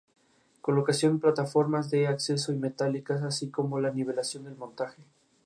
Sin embargo, sus mayores deseos y esperanzas pasaban por regresar a España.